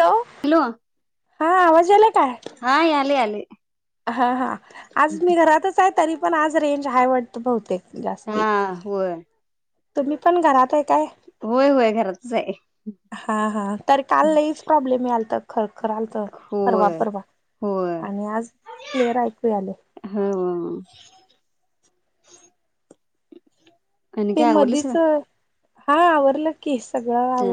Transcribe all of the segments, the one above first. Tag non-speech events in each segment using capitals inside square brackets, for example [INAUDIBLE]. Hello हा आवाज आलाय काय. हा आले आले हा हा आज मी घरातच आहे तरी पण आज रेंज आहे वाटतं बरी. तेे हा जास्ती. होय तुम्ही पण घरात आहे. काय होय होय घरातच आहे हा हा तर काल लईच प्रॉब्लेम यालता. खरखर आल तर परवा होय परवा होय आणि आज क्लिअर ऐकू आले. रिकामा ऑडिओ ते मधीच हा आवरलं कीं. ह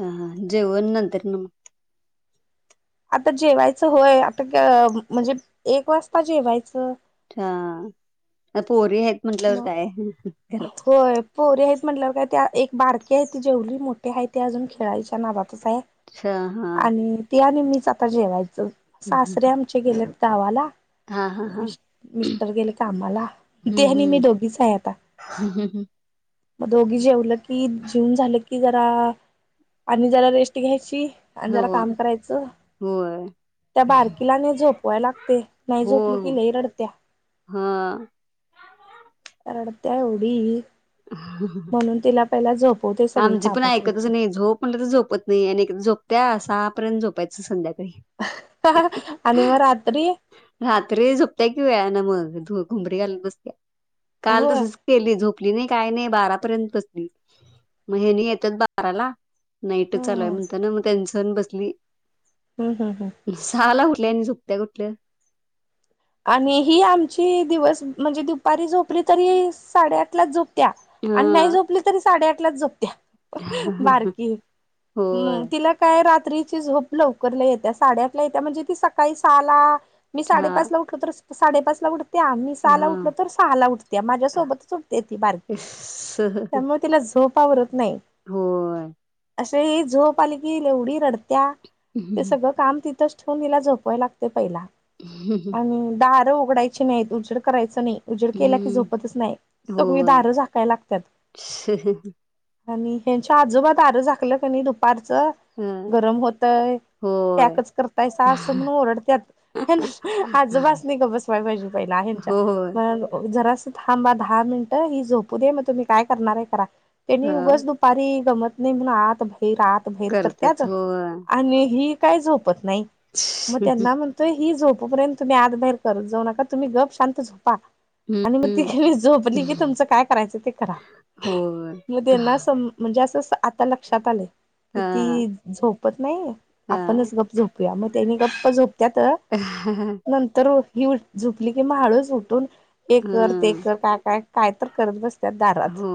हा जेवण नंतर ना मग. आता जेवायचं होय आता म्हणजे एक वाजता जेवायचं. हा पोरी आहेत म्हटल्यावर म काय? घरात होय. पो रे आहेत म्हटल्यावर काय ते एक बारके आहे ती जेवली मोठे आहे ते अजून खेळायच्या नादात. हा हा आणि त्या नेहमीच आता जेवायचं सासरे आमचे गेले. गावाला. हा हा हा मि मिस्टर गेले कामाला ते नि मी दोघीच आहे आता. हम्. मग दोघी जेवलं की जेवन झालं की जरा आणि जरा रेस्ट घ्यायची.. आणि हो जरा काम करायचं. होय त्या बारकीलाने झोपवाय लागते नाही हो झोपली कि लई रडतिया. हा. रडत्या एवढी. म्हणून तिला पहिला झोपवते सगळी आमची पण कामं ऐकतच ठेवते नाही झोप म्हणटलं तर झोपत नाही आणि झोप त्या सहापर्यंत झोपायच संध्या आणि मग रात्री रात्री झोपत्या कि वेळा ना मग धूप उबरी घाल बसत्या काल हो तसच केली झोप आपली नाही काय नाही बारापर्यंत बसली म हेनी येतात बाराला. नाईट हम्म चालूय हम्म म्हणत ना मग त्यां सण बसली हम्म हम्म. झाला. कुठल्या आणि झुकत्या कुठल्या? आणि ही आमची दिवस म्हणजे दुपारी झोपली तरी साडेआठ लाच झोप. त्या आणि नाही हा जोपली तरी साडेआठ लाच जोपत्या. बारकी म होय. तिला काय राह. तिची झोप लय लवकर लय येता साडेआठ ला येता तर सकाळी सहाला हा साडेपाच ला उट साडेपाच उठते. त्या मी सहाला उठल हा. तर सहाला उठते माझ्यासोबतच उठते ती बारकी सह त्यामुळे तिला झोप आवरत नाही. होय असे झो पालखी एवढी रडत्या ते हम्म सगळं काम तिथच. छवणीिला झोपवाय लागते पहिला. आणि दारं उघडायची नाहीत उजड करायचं नाही. उजेड केल्या की झोपतच नाही सगळी होय. दार झाकाय लागतात. आणि ह्यांच्या आजोबा द आरं झाकलं क नाही दुपारचं ह गरम होतय होय पॅकच करताय सास म्हण ओरडतत. आजोबास्नी ग बसवायला पाहिजे पहिल्या होय यांच्या थांबा दहा मिनिट ही झोपू दे मग तुम्ही काय करणार आहे करा ह त्यांनी उगच दुपारी गमत. नाही म्ह आत भैर आत भैर करतच करतत होय. आणि ही कायच होत नाही मग त्यांना म्हणतोय ह झोपपर्यंत. तुम्ही आत बाहेर करत जाऊ नका तुम्ही गप शांत झोपा. आणि मग ती हम्म ख झोपली की तुमचं काय करायचं ते करा होय मना म्हणजे असं आता लक्षात आलं कि हा ती झोप त नाही आपणच गप्प झोपूया मग त्यानी गप्प झोपत्या तर हा. नंतर. ही झुपली किं हाळू झुटली. ए कर ते हं कर काय काय काय तर करत बसत दारात. हो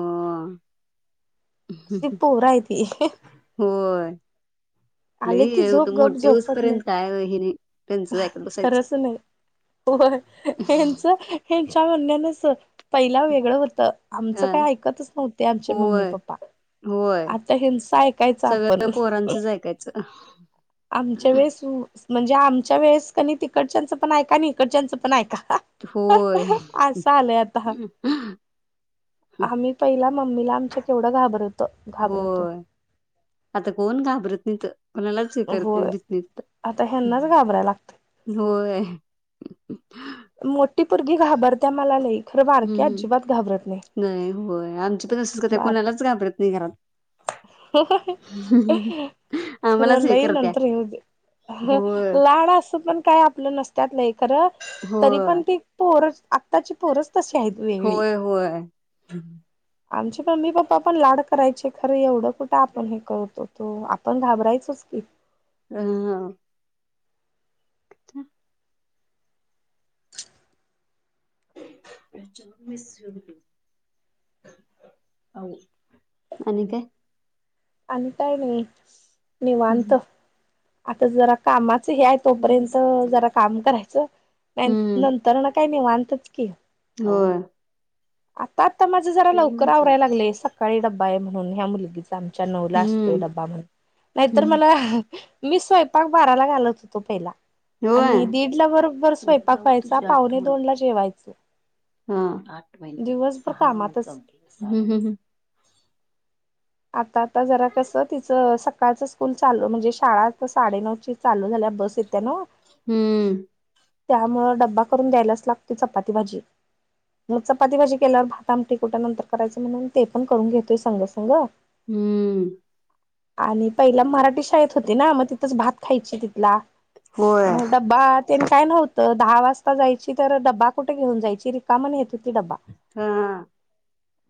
स प उरायती. येव तर मोठे उऊस पर्यंत आहे ह त्यांचं खरंच नाही होय हच हच्यावरण्यानच. पहिला वेगळं होतं आमचं हा काय ऐकतच नव्हते आमचे मम्मी होय पप्पा होय आता हिंच ऐकायच आपण. सगळं पोरांचंच ऐकायचं आमच्या वेळेस म्हणजे आमच्या वेळेस क तिकडच्यांचं पण ऐका आणि इिकडच्यांचं पण ऐका. होय असं आलंय आता आम्ही पहिला मम्मीला आमच्या केवढं घाबरतो होय आता कोण घाबरत नाही तर. कोणालाच स्वीकारते होय दिस दिसत आता ह्यांनाच घाबरायला लागतंय होय. मोठी परगी घाबरत्या मला नाही. खरं बारकी हम्मम अजिबात घाबरत नाही होय आमची पण असच का कोणालाच घाबरत नाही घरात. ह. आम्हालाच खरं हे लई करत्या नंतर येऊ दे होय लाड अस पण काय. आप नसत्या खर तरी होय पण त पोर आताची पो. होय होय आमचे मम्मी पप्पा पण लाड करायचे खरं एवढं कुठं आपण हे करतो त आपण घाबरायचच की. हा. अच्छ! प्रच मश. आणि का अता नाही निवांत आता जरा कामात हे तोपर्यंत जरा काम करायचं नंतर ना काही नाहीवांतच की. हो. आता आता माझं जरा लवकर आवरायला लागले सकाळी डब्बा आहे म्हणून ह्या मुलगीचा. आमच्या नऊला असतोय हम्म डबा म्हणून, नाहीतर हम्म मला. मी स्वयंपाक बाराला घालत होतो पहिला. होय आणि दीड ला बरोबर स्वयंपाक व्हायचा पाहुणे दोन ला जेवायच हा आठ महिने सहा म कामातच चौ. आता आता जरा कसं तिचं सकाळचं स्कूल चालू म्हणजे शाळा साडेनऊ चालू झाल्या बस येत्या ना. हम्म. त्यामुळं डब्बा करून द्यायलाच लागते चपाती भाजी मग चपाती भाजी केल्यावर भात आमट कुठ्या नंतर करायचं म्हणून ते पण करून घेतोय संग संग. हम्म हम्म आणि पहिला मराठी शाळेत होते ना मग तिथंच भात खायचे तिथला. होय मग ड्बा त्यांनी काय नव्हत. तर दहा वाजता जायची तर ड्बा कुठे घेऊन जायची रिकामण येत. हा.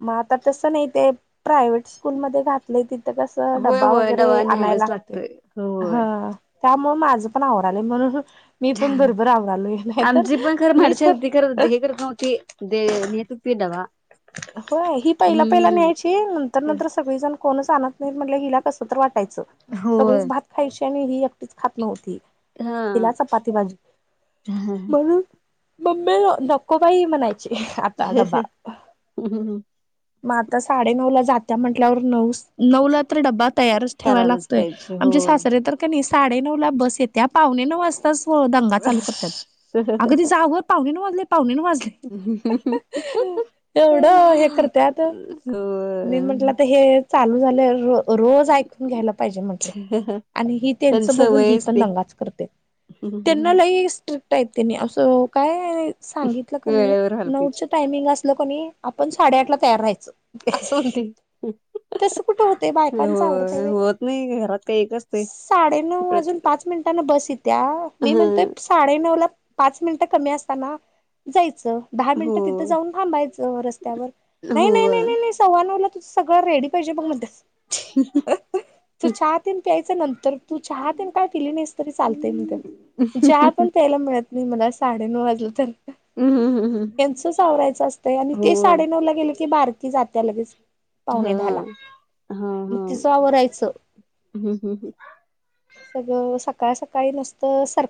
मग आ तस नाही प्रायवट स्कूल म घातलंय तिथं कस होय डब्बा होय वगैरे डबा न्यायलाच आणायला लागते लागतोय होय. ह. त्यामुळे माझं पण आवड आले म्हणून मी पण भरभर आवरालोय नाही तर आमची पण खर मी म्हडसे होती खर तर हे करत नव्हती. पिडवा हो ही पहिला पहिला न्यायची नंतर नंतर सगळीजण कोणच आणत नाही म्हट हिला कस तर वाट. होय सगळीच भात खायची आणि ह खात नव्हती हिला हा. चपाती भाजी म्हणून मम् म नको बाई म्हणायची आता ड्बा. मग आता साडेनऊ ला जात्या म्हटल्यावर नऊ नऊ ला तर डब्बा तयारच ठेवायला करायलाच लागतोय पाहिजे आमचे होय. सासरे तर का नाही साडे नऊ ला बस येत. त्या पावणे नऊ वाजता दंगा चालू करतात अगदी जा पाणे नऊ वाज पाहणे ना माजले एवढं हे होय. करतत. मी म्हंटलं तर हे चालू झाले रोज ऐकून घ्यायला पाहिजे म्हंटलं. आणि ही त्यांच त्यांची बघून ही सवयच पण ती नंगाच करते त्यांना वेळेवर लई स्ट्रिक आहे. नी असं काय सांगितलं कणी हलपीच नऊच टायमिंग असलं कणी आपण साडेआठला तयार राहायचं पाून कस कुठं होते होय बायकांचावर्तेवे होत नाही घरात काही एक असते साडेनऊ इकडं वाजून तिकडं पाच मिनट बस य्या मी हा म्हणतोय साडे नऊ ला पाच मिनिटं कमी असत. जायचं दहा हो मिनिट तिथं जाऊन थांबायचं रस्त त्या नाही नाही नाही होय नाही नाही सव्वा नऊला तुझ सगळं रेडी पाहिजे बघ मध्ये ह. तू चहा तन प्यायचा नंतर तू चहा तन काय पिली नाहीस तरी चालतेय मी तर चहा पण प्यायला मिळत. म मला साडेनऊ वाजलं तर यांचच आवरायचं असतंय आणि ते होय साडे नऊ ला गेले की बार क जात्या लगेच. पाहुणे हा झाला हा मग हा तिचं आवरायचं. सगळं सकाळ सकाळी नुसतं सार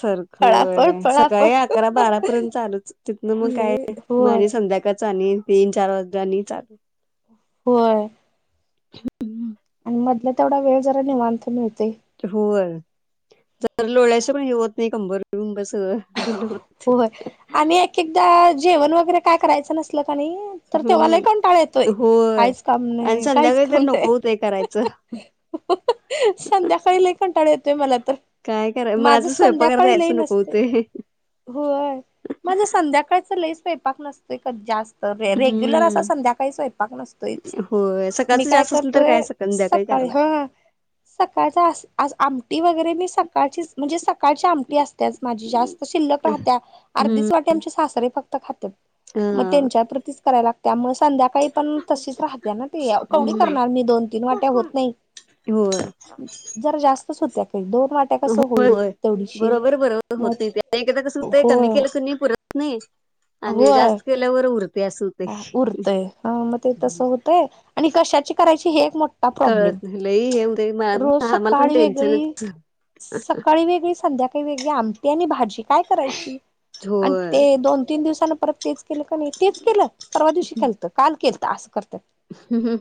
सारखं आहे फळाफळ सकाळी अकरा बारा पर्यंत चालूच तिथन मग काय? लई मग होय आणि संध्याकाळच आणि तीन चार वाज आणि चालू. होय. ह. आणि मधला तेवढा वेळ जरा निवांत मिळत. हो जर लोळ्याच पण हेवत नाही कंबरंबस होय आणि एक एकदा जेवण वगैरे काय करायचं नसल. नाही तर तेघाला हम्म कों टाळा येतोय होय काहीच काम आणि नाही काहीच संध्याकाळी तर काम नाही. नको होतंय करायचं संध्याकाळी ल कंटाळा येतोय मला तर काय कराय मला माझ तर स्वयंपाकाला संध्याकाळी जायचं नको लईनसते होतंय. होय म्हणजे संध्याकाळच लेस पेयपाक नसतोय जास्त, [INAUDIBLE] तर रेग्युलर असा हं, संध्याकाळी स्वयपाक नसतोच, होय. मी सकाळचं काय जास्त असलं तर करतोय काय संध्याकाळी सकाळी करायला लागेल. हा सकाळचा अस, आज आमटी वगैरे मी सकाळचीच म्हणजे सकाळची आमटी असतेच माझी जास्त शिल्लक राहत्या हं, अर्धीच वाटी आमचे सासरे फक्त खातात मग हां. त्यांच्या प्रतीच करायला त्यामुळे संध्याकाळी पण तशीच राहते ना ते कवडी करणार मी दोन तीन वाट्या होत नाही. होय. जरा जास्तच होत्या काही दोन वाट ते कसं होय, होईल होय. तेव्हडीशी बरोबर, बरोबर होत मग नाही एकदा कसं ते कमी होय केलं कनी पुरत नाही. आणि होय जास्त केल्यावर उरतंय असं होतंय. उरतंय हं मग ते तसं होतं य आणि क त्याची करायची हे एक मोठा प्रॉब्लेम कळत नाही लई येऊ दे, रोज आम्हाला पण सकाळी वेगळी टेन्शनच. सकाळी वेगळी, संध्याकाळी काही वेगळी आमटी आणि भाजी काय करायची. आणि होय. ते दोन तीन दिवसान परत तेच केलं का नाही. तेच केलं? परवा दिवशी केलतं, काल केलतं, आज करत हम्म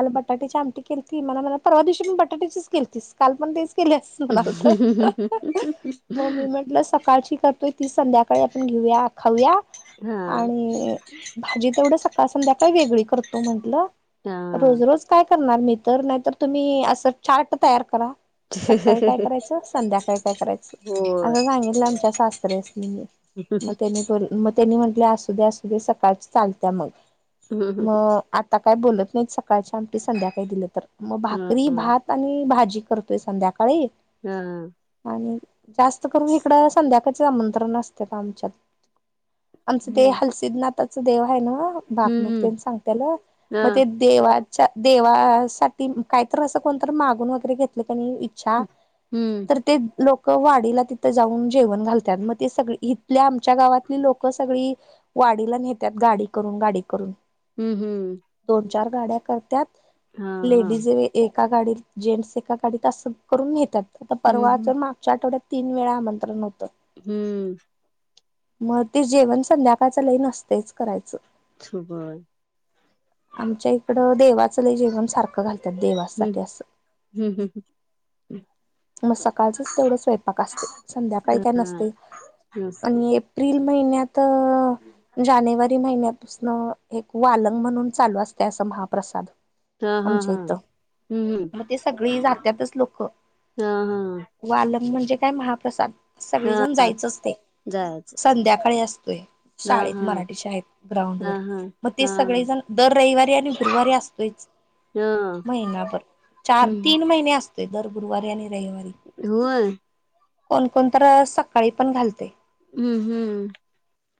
ह बटाटेची आमटी केलती. मला म्हणला परवा दिवशी पण बटाटेची केलतीस काल पण तेच केल्यास म्हणालतं ममी म्हंटलं कलची करतोय ती संध्याकाळी आपण घेऊया खाऊया. हां. आणि भाजी तेवढं सकाळ संध्याकाळी वेगळी करतो म्हंटलं हां. रोज रोज काय करणार मी तर, नाहीतर तुम्ही असं चार्ट तयार करा सकाळी काय करायचं, संध्याकाळी काय करायचं होय. असं सांगितलं आमच्या सासऱ्यांसानी मग मग त्यांनी म्हटलं, असू दे असू दे सकाळचं चालतय मग हं, हं, मं आता काय बोलत नाहीत, सकाळची आमटी संध्याकाळी दिललं तर मग भाकरी भात आणि भाजी करतोय संध्याकाळी. हां. आणि जास्त करून इकड संध्याकाळी आमंत्रण असते का आमच्यात? आमचं हं, ते हं. हलसिदनाथाच देव काय ना भाग हं. नुकतेच कते सांगतल त्याला मग हां. ते देवात देवासाठी काहीतरी असं कोणतरी मागून वगैरे घेतलं इच्छा हं. हं. तर ते लो--क वाडीला तिथं जाऊन जेवण घालत्यात. मग ते सग इथल्या आमच्या गावातली लोकं सगळी वाडीला न्हेत्यात गाडी करून, गाडी करून. हम्म हम्म दोन चार गाड्या करत्यात, हा हा लेडीज एक एका गाडीत जेंट्स एका गाडीत असं करून न्हेतात. आता हम्म परवा हम्म जर मागच्या आठवड्यात तीन वेळा आमंत्रण होतं. हम्म मग ते जेवण संध्याकाळचं लई नसतेयच करायचं. सुबळ आमच्या इकडं देवाच लई जेवण सारखं घाल त्या हम्म देवासाठी असं हम्म हम्म मग सकाळचंच तेवढं स्वयंपाक असते, संध्याकाळी काय हा नसतंय. नसते आणि एप्रिल महिन्यातं जानेवारी महिन्यात [UNINTELLIGIBLE] एक वालंग म्हणून चालू असतय असं महाप्रसाद. तं हं आमच्या हं इथं मग ते सगळी जात्यातच लोक हा हा वालन म्हण ते काय महाप्रसाद हा सगळेजण जायचं असततंय. जायचंच संध्याकाळी असतोय हा शाळेत हा मराठी शाळेत ग्राउंड वर, हा हा मग ते हा सगळे जण दर रविवारी आणि गुरुवारी असतोयंच. हा महिनाभर चार तीन महिने असतोय दर गुरुवारी आणि व्हय कोणकोणतरं सकाळी पण घालतंय. हम्म हम्म